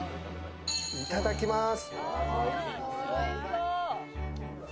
いただきまーす。